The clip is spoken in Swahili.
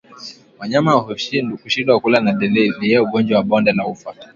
Wanyama kushindwa kula ni dalili ya ugonjwa wa bonde la ufa